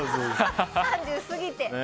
３０過ぎて。